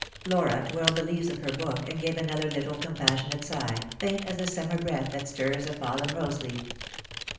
Flora twirled the leaves of her book, and gave another little compassionate sigh, faint as the summer breath that stirs a fallen rose leaf.